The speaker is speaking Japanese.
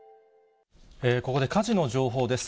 ここで火事の情報です。